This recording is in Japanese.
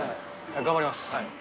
頑張ります。